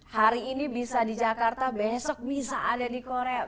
hari ini bisa di jakarta besok bisa ada di korea